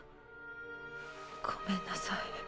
ごめんなさい。